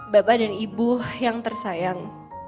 bapak dan ibu yang tersayang